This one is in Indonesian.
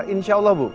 insya allah bu